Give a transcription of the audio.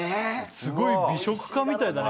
すごい美食家みたいだね